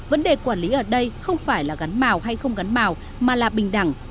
vấn đề quản lý ở đây không phải là gắn màu hay không gắn màu mà là bình đẳng